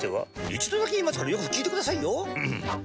一度だけ言いますからよく聞いてくださいよ。